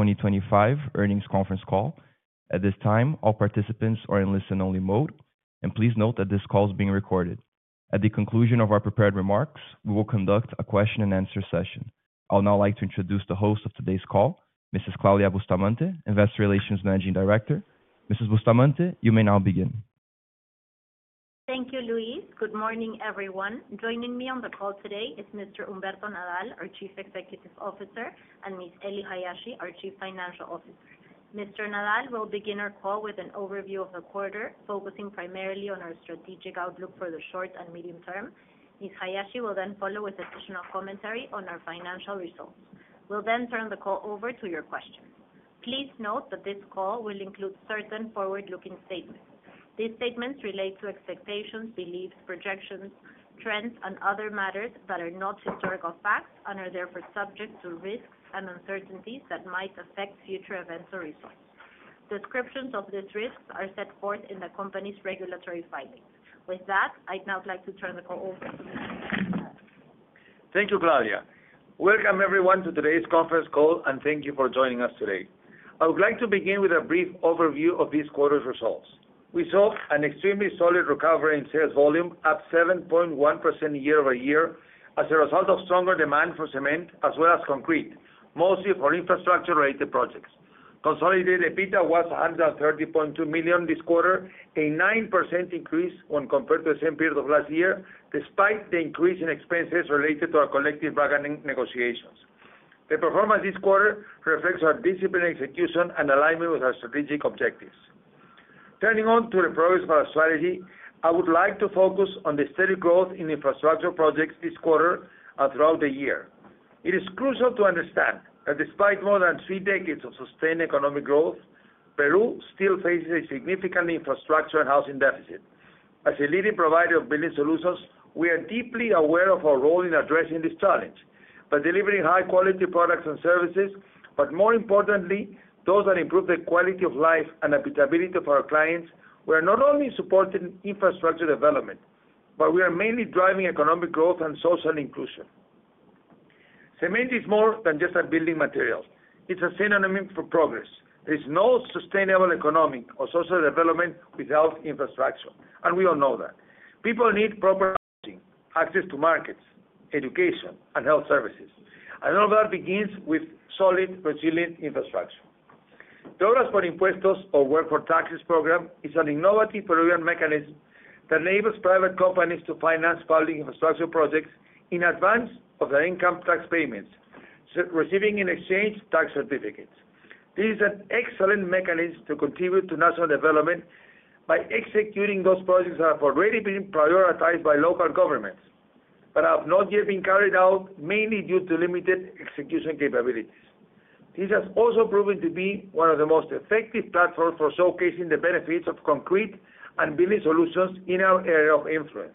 2025 Earnings Conference Call. At this time, all participants are in listen-only mode, and please note that this call is being recorded. At the conclusion of our prepared remarks, we will conduct a question-and-answer session. I would now like to introduce the host of today's call, Mrs. Claudia Bustamante, Investor Relations Managing Director. Mrs. Bustamante, you may now begin. Thank you, Luis. Good morning, everyone. Joining me on the call today is Mr. Humberto Nadal, our Chief Executive Officer, and Ms. Ely Hayashi, our Chief Financial Officer. Mr. Nadal will begin our call with an overview of the quarter, focusing primarily on our strategic outlook for the short and medium term. Ms. Hayashi will then follow with additional commentary on our financial results. We'll then turn the call over to your questions. Please note that this call will include certain forward-looking statements. These statements relate to expectations, beliefs, projections, trends, and other matters that are not historical facts and are therefore subject to risks and uncertainties that might affect future events or risks. Descriptions of these risks are set forth in the company's regulatory findings. With that, I'd now like to turn the call over. Thank you, Claudia. Welcome, everyone, to today's conference call, and thank you for joining us today. I would like to begin with a brief overview of this quarter's results. We saw an extremely solid recovery in sales volume, up 7.1% year-over-year as a result of stronger demand for cement as well as concrete, mostly for infrastructure-related projects. Consolidated EBITDA was PEN 130.2 million this quarter, a 9% increase when compared to the same period of last year, despite the increase in expenses related to our collective bargaining agreements. The performance this quarter reflects our disciplined execution and alignment with our strategic objectives. Turning to the progress of our strategy, I would like to focus on the steady growth in infrastructure projects this quarter and throughout the year. It is crucial to understand that despite more than three decades of sustained economic growth, Peru still faces a significant infrastructure and housing deficit. As a leading provider of building solutions, we are deeply aware of our role in addressing this challenge by delivering high-quality products and services, but more importantly, those that improve the quality of life and habitability of our clients. We are not only supporting infrastructure development, we are mainly driving economic growth and social inclusion. Cement is more than just a building material; it is a synonym for progress. There is no sustainable economic or social development without infrastructure, and we all know that. People need proper housing, access to markets, education, and health services. All of that begins with solid, resilient infrastructure. Obras por Impuestos, or Work for Taxes program, is an innovative program mechanism that enables private companies to finance public infrastructure projects in advance of their income tax payments, receiving in exchange tax certificates. This is an excellent mechanism to contribute to national development by executing those projects that have already been prioritized by local governments but have not yet been carried out, mainly due to limited execution capabilities. This has also proven to be one of the most effective platforms for showcasing the benefits of concrete and building solutions in our area of influence.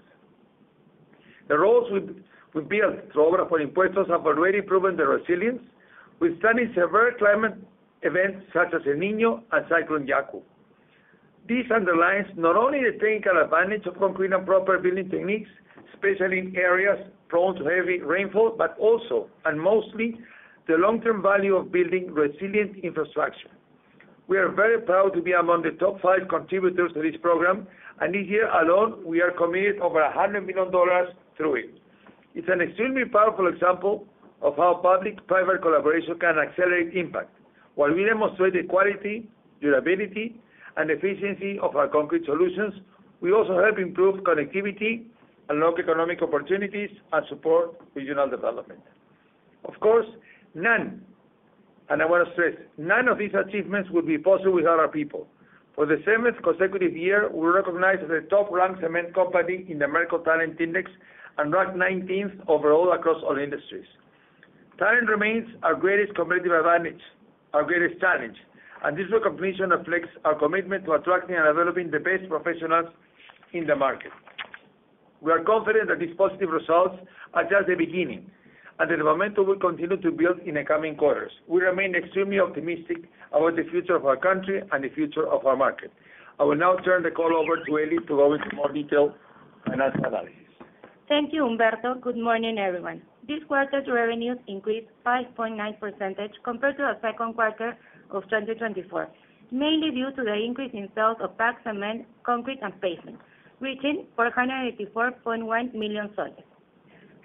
The roads we build through Obras por Impuestos have already proven their resilience withstanding severe climate events such as El Niño and Cyclone Yaku. This underlines not only the technical advantage of concrete and proper building techniques, especially in areas prone to heavy rainfall, but also, and mostly, the long-term value of building resilient infrastructure. We are very proud to be among the top five contributors to this program, and this year alone, we are committed over $100 million through it. It's an extremely powerful example of how public-private collaboration can accelerate impact. While we demonstrate the quality, durability, and efficiency of our concrete solutions, we also help improve connectivity and local economic opportunities and support regional development. Of course, none, and I want to stress, none of these achievements would be possible without our people. For the seventh consecutive year, we're recognized as the top-ranked cement company in the American Talent Index and ranked 19th overall across all industries. Talent remains our greatest competitive advantage, our greatest challenge, and this recognition reflects our commitment to attracting and developing the best professionals in the market. We are confident that these positive results are just the beginning, and the momentum will continue to build in the coming quarters. We remain extremely optimistic about the future of our country and the future of our market. I will now turn the call over to Ely to go into more detail and analysis. Thank you, Humberto. Good morning, everyone. This quarter's revenues increased 5.9% compared to our second quarter of 2024, mainly due to the increase in sales of cement, concrete, and pavement, reaching PEN 484.1 million.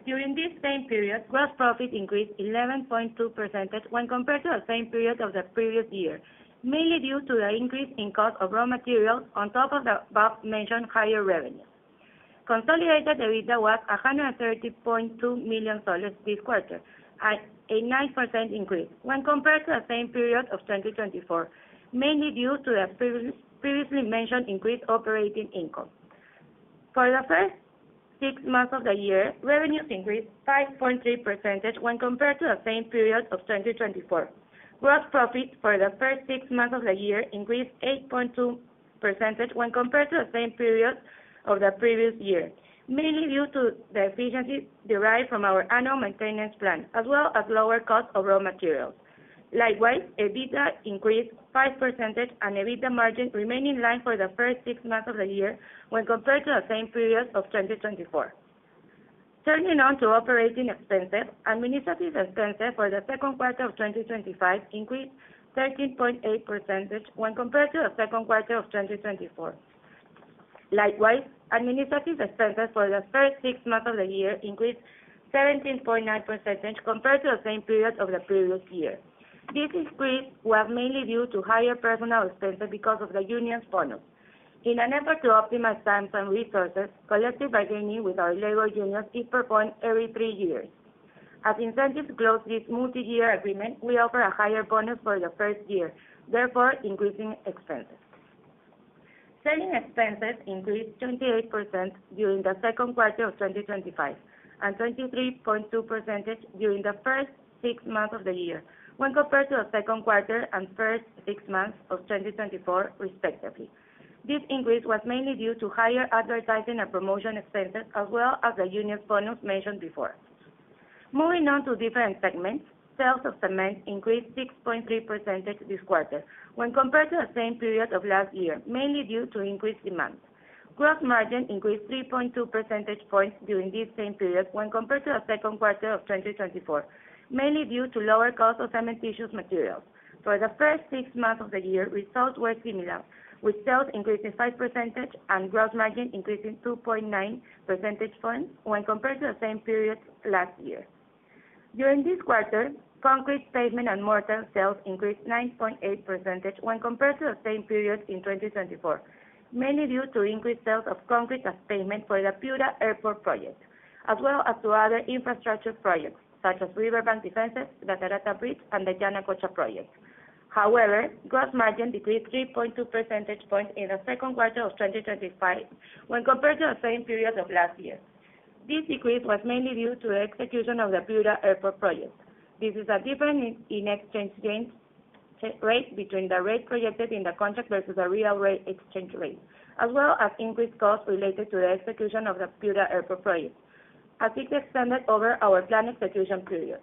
During this same period, gross profit increased 11.2% when compared to the same period of the previous year, mainly due to the increase in cost of raw material on top of the above-mentioned higher revenue. Consolidated EBITDA was PEN 130.2 million this quarter, a 9% increase when compared to the same period of 2024, mainly due to the previously mentioned increased operating income. For the first six months of the year, revenues increased 5.3% when compared to the same period of 2024. Gross profit for the first six months of the year increased 8.2% when compared to the same period of the previous year, mainly due to the efficiency derived from our annual maintenance plan, as well as lower cost of raw materials. Likewise, EBITDA increased 5%, and EBITDA margin remained in line for the first six months of the year when compared to the same period of 2024. Turning on to operating expenses, administrative expenses for the second quarter of 2025 increased 13.8% when compared to the second quarter of 2024. Likewise, administrative expenses for the first six months of the year increased 17.9% compared to the same period of the previous year. This increase was mainly due to higher personnel expenses because of the union's bonus. In an effort to optimize time and resources collected by training with our labor unions, it's performed every three years. As incentives close this multi-year agreement, we offer a higher bonus for the first year, therefore increasing expenses. Selling expenses increased 28% during the second quarter of 2025 and 23.2% during the first six months of the year when compared to the second quarter and first six months of 2024, respectively. This increase was mainly due to higher advertising and promotion expenses, as well as the union's bonus mentioned before. Moving on to different segments, sales of cement increased 6.3% this quarter when compared to the same period of last year, mainly due to increased demand. Gross margin increased 3.2 percentage points during this same period when compared to the second quarter of 2024, mainly due to lower cost of cementitious materials. For the first six months of the year, results were similar, with sales increasing 5% and gross margin increasing 2.9% points when compared to the same period last year. During this quarter, concrete, pavement, and mortar sales increased 9.8% when compared to the same period in 2024, mainly due to increased sales of concrete as pavement for the Piura Airport project, as well as to other infrastructure projects such as riverbank defenses, the Tarata Bridge, and the Yanacocha project. However, gross margin decreased 3.2% points in the second quarter of 2025 when compared to the same period of last year. This decrease was mainly due to the execution of the Piura Airport project. This is a difference in exchange rate between the rate projected in the contract versus the real exchange rate, as well as increased costs related to the execution of the Piura Airport project. As it extended over our planned execution period,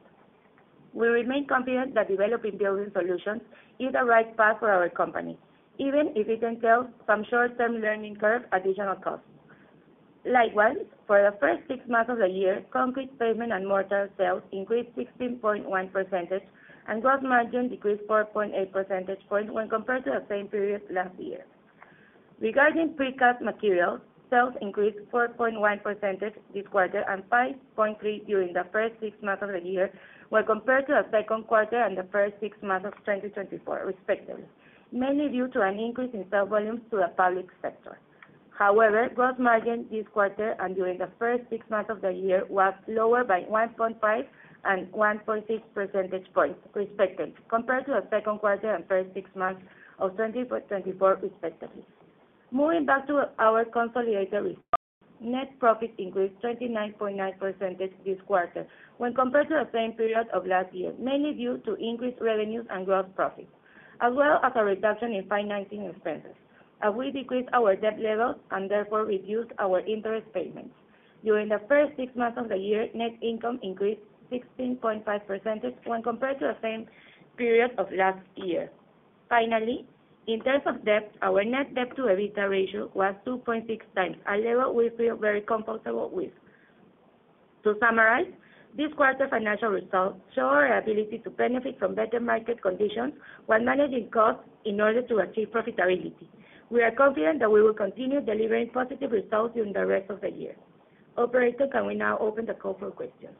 we remain confident that developing building solutions is the right path for our company, even if it entails some short-term learning curve and additional costs. Likewise, for the first six months of the year, concrete, pavement, and mortar sales increased 16.1% and gross margin decreased 4.8% points when compared to the same period last year. Regarding precast materials, sales increased 4.1% this quarter and 5.3% during the first six months of the year when compared to the second quarter and the first six months of 2024, respectively, mainly due to an increase in sale volumes to the public sector. However, gross margin this quarter and during the first six months of the year was lower by 1.5% and 1.6% points, respectively, compared to the second quarter and first six months of 2024, respectively. Moving back to our consolidated risk, net profit increased 29.9% this quarter when compared to the same period of last year, mainly due to increased revenues and gross profit, as well as a reduction in financing expenses. We decreased our debt level and therefore reduced our interest payments. During the first six months of the year, net income increased 16.5% when compared to the same period of last year. Finally, in terms of debt, our net debt-to-EBITDA ratio was 2.6x, a level we feel very comfortable with. To summarize, this quarter's financial results show our ability to benefit from better market conditions while managing costs in order to achieve profitability. We are confident that we will continue delivering positive results during the rest of the year. Operator, can we now open the call for questions?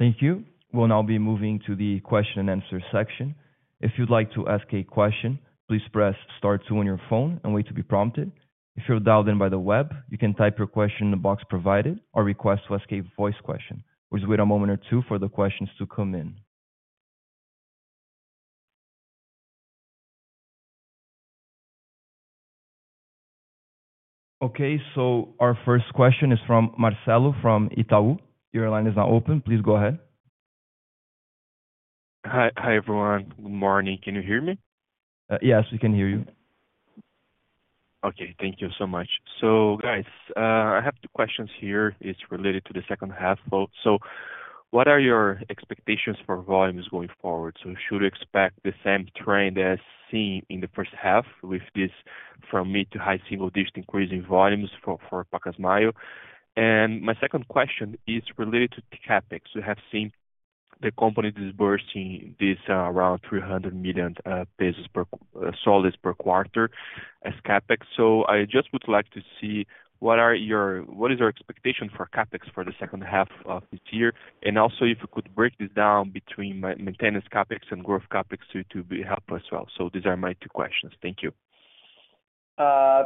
Thank you. We'll now be moving to the question-and-answer section. If you'd like to ask a question, please press STAR 2 on your phone and wait to be prompted. If you're dialed in by the web, you can type your question in the box provided or request to ask a voice question. Please wait a moment or two for the questions to come in. Our first question is from Marcelo from Itaú. Your line is now open. Please go ahead. Hi, everyone. Good morning. Can you hear me? Yes, we can hear you. Okay, thank you so much. I have two questions here. It's related to the second half. What are your expectations for volumes going forward? Should we expect the same trend as seen in the first half with this mid to high single-digit increase in volumes for Pacasmayo? My second question is related to CapEx. We have seen the company disbursing around PEN 300 million per quarter as CapEx. I would like to see what is your expectation for CapEx for the second half of this year. Also, if you could break this down between maintenance CapEx and growth CapEx, that would be helpful as well. These are my two questions. Thank you.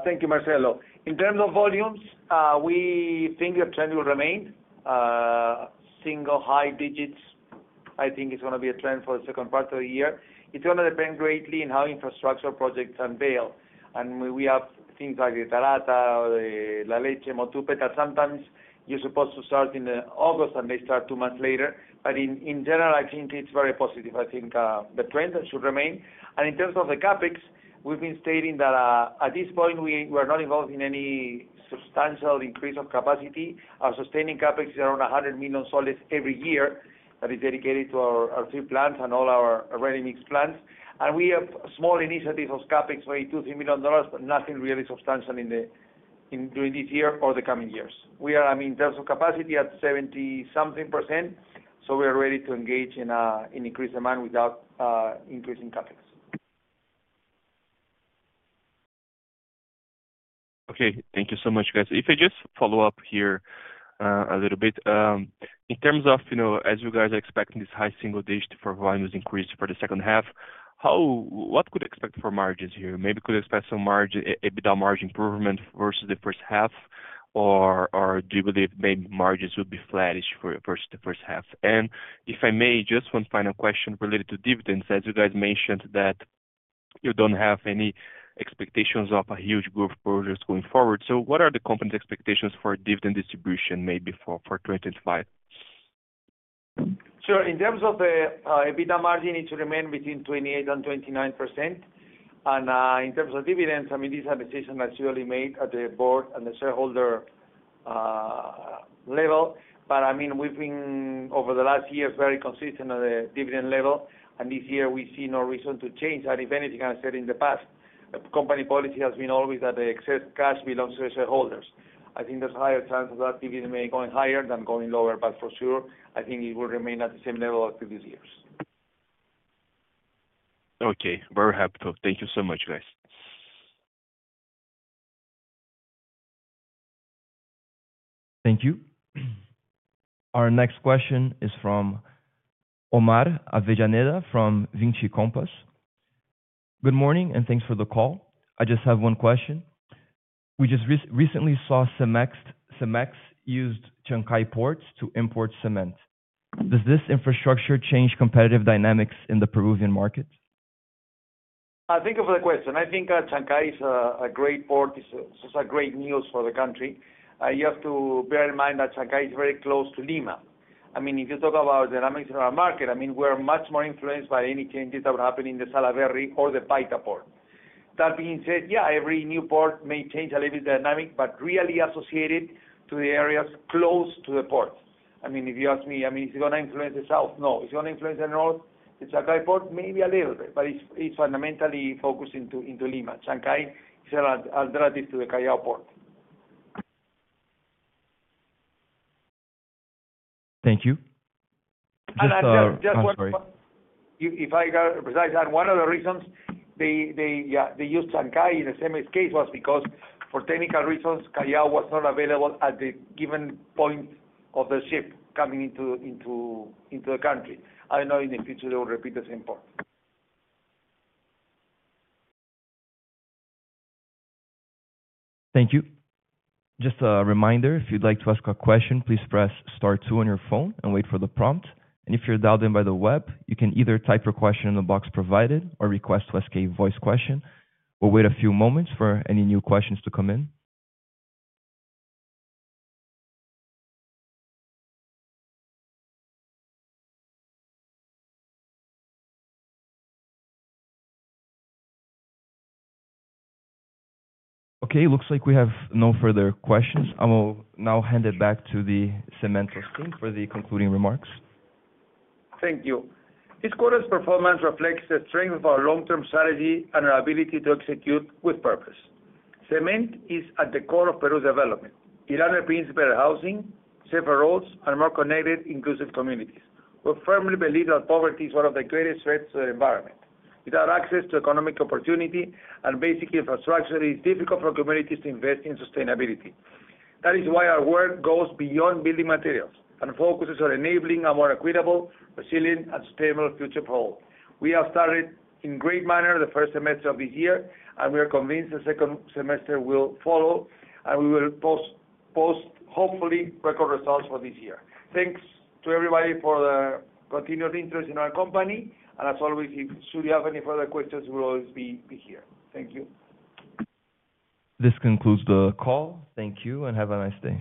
Thank you, Marcelo. In terms of volumes, we think the trend will remain single high digits. I think it's going to be a trend for the second part of the year. It's going to depend greatly on how infrastructure projects unveil. We have things like the Tarata or the La Leche Mutupe, that sometimes you're supposed to start in August and they start two months later. In general, I think it's very positive. I think the trend should remain. In terms of the CapEx, we've been stating that at this point, we are not involved in any substantial increase of capacity. Our sustaining CapEx is around PEN 100 million every year that is dedicated to our three plants and all our ready-mixed plants. We have small initiatives of CapEx, maybe PEN 2 million, PEN 3 million, but nothing really substantial during this year or the coming years. We are, I mean, in terms of capacity at 70-something percent. We are ready to engage in an increased amount without increasing CapEx. Okay, thank you so much, guys. If I just follow up here a little bit, in terms of, you know, as you guys are expecting this high single-digit for volumes increase for the second half, what could you expect for margins here? Maybe could you expect some EBITDA margin improvement versus the first half? Or do you believe maybe margins would be flattish versus the first half? If I may, just one final question related to dividends. As you guys mentioned that you don't have any expectations of a huge growth project going forward, what are the company's expectations for dividend distribution maybe for 2025? In terms of the EBITDA margin, it needs to remain between 28% and 29%. In terms of dividends, these are decisions that are usually made at the board and the shareholder level. We've been, over the last years, very consistent on the dividend level. This year, we see no reason to change that. If anything, I said in the past, the company policy has been always that the excess cash belongs to the shareholders. I think there's a higher chance that dividend may go higher than going lower, but for sure, I think it will remain at the same level after these years. Okay, very helpful. Thank you so much, guys. Thank you. Our next question is from Omar Avellaneda from Vinci Compass. Good morning and thanks for the call. I just have one question. We just recently saw Cemex use Chancay port to import cement. Does this infrastructure change competitive dynamics in the Peruvian market? Thank you for the question. I think Chancay is a great port. It's great news for the country. You have to bear in mind that Chancay is very close to Lima. If you talk about the dynamics in our market, we're much more influenced by any changes that will happen in the Salaverry or the Paita port. That being said, every new port may change a little bit of dynamic, but really associated to the areas close to the port. If you ask me, is it going to influence the south? No, is it going to influence the north? The Chancay port, maybe a little bit, but it's fundamentally focused into Lima. Chancay is an alternative to the Callao port. Thank you. Just one point. Sorry. If I go precisely, and one of the reasons they used Chancay in the Cemex case was because, for technical reasons, Callao was not available at the given point of the ship coming into the country. I don't know in the future they will repeat the same point. Thank you. Just a reminder, if you'd like to ask a question, please press STAR 2 on your phone and wait for the prompt. If you're dialed in by the web, you can either type your question in the box provided or request to ask a voice question. We'll wait a few moments for any new questions to come in. Okay, it looks like we have no further questions. I will now hand it back to the Cementos team for the concluding remarks. Thank you. This quarter's performance reflects the strength of our long-term strategy and our ability to execute with purpose. Cement is at the core of Peru's development. It underpins better housing, safer roads, and more connected, inclusive communities. We firmly believe that poverty is one of the greatest threats to the environment. Without access to economic opportunity and basic infrastructure, it is difficult for communities to invest in sustainability. That is why our work goes beyond building materials and focuses on enabling a more equitable, resilient, and sustainable future for all. We have started in a great manner the first semester of this year, and we are convinced the second semester will follow, and we will post, hopefully, record results for this year. Thanks to everybody for the continued interest in our company. As always, if you have any further questions, we'll always be here. Thank you. This concludes the call. Thank you and have a nice day.